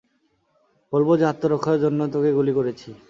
বলব যে আত্মরক্ষার জন্য তোকে গুলি করেছি।